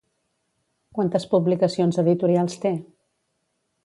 Quantes publicacions editorials té?